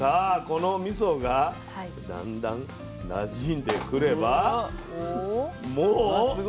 このみそがだんだんなじんでくればもう完成でございます。